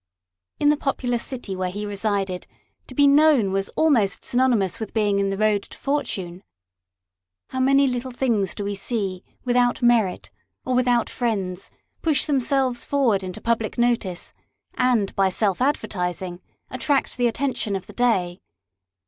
In the populous city where he resided, to be known was almost synonymous with being in the road to fortune. How many little things do we see, without merit, or without friends, push them selves forward into public notice, and by self advertising, attract the attention of the day